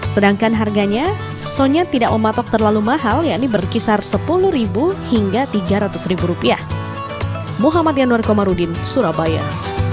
sedangkan harganya sonya tidak mematok terlalu mahal yakni berkisar sepuluh hingga tiga ratus rupiah